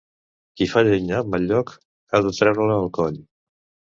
Qui fa llenya en mal lloc, ha de treure-la al coll.